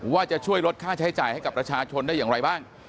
ว่าจะช่วยลดค่าใช้จ่ายให้กับประชาชนได้อย่างไรบ้าง